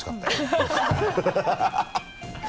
ハハハ